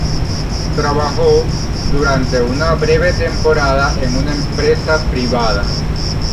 Trabajó durante una breve temporada en una empresa privada.